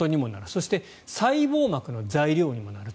そして細胞膜の材料にもなる。